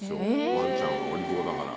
ワンちゃんはお利口だから。